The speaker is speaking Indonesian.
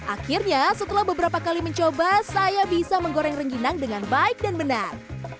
akhirnya setelah beberapa kali mencoba saya bisa menggoreng rengginang dengan baik dan benar